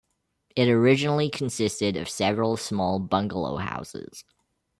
It originally consisted of several small bungalow houses.